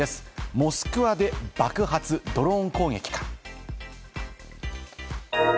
モスクワで爆発、ドローン攻撃か？